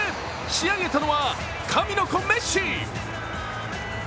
仕上げたのは、神の子・メッシ。